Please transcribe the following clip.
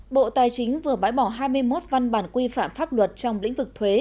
bộ tài chính vừa bãi bỏ hai mươi một văn bản quy phạm pháp luật trong lĩnh vực thuế